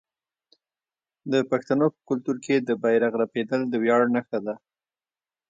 د پښتنو په کلتور کې د بیرغ رپیدل د ویاړ نښه ده.